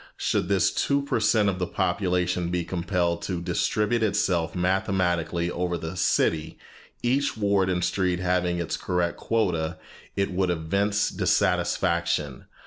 Should this two per cent of the population be compelled to distribute itself mathematically over the city, each ward and street having its correct quota, it would evince dissatisfaction.